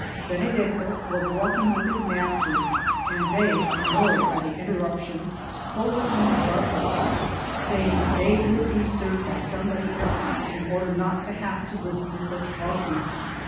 Benedetto was walking with his masters, and they, annoyed by the interruption, scolded him sharply, saying they would be served by somebody else, in order not to have to listen to such barking.